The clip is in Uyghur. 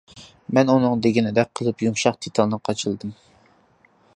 مەن ئۇنىڭ دېگىنىدەك قىلىپ يۇمشاق دېتالنى قاچىلىدىم.